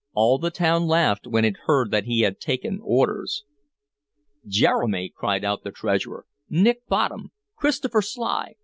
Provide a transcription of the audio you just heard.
All the town laughed when it heard that he had taken orders." "Jeremy!" cried out the Treasurer. "Nick Bottom! Christopher Sly!